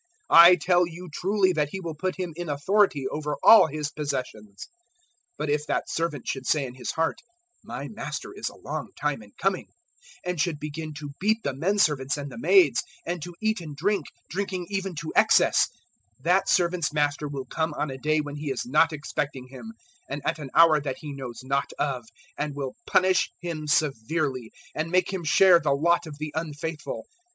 012:044 I tell you truly that He will put him in authority over all His possessions. 012:045 But if that servant should say in his heart, `My Master is a long time in coming,' and should begin to beat the menservants and the maids, and to eat and drink, drinking even to excess; 012:046 that servant's Master will come on a day when he is not expecting Him and at an hour that he knows not of, and will punish him severely, and make him share the lot of the unfaithful.